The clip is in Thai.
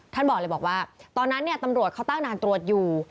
ท่านบอกเลยบอกว่าตอนนั้นตำรวจเขาเต้านานตรวจอยู่